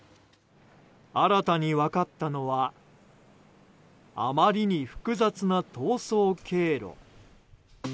新たに分かったのはあまりに複雑な逃走経路。